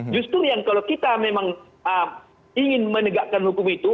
justru yang kalau kita memang ingin menegakkan hukum itu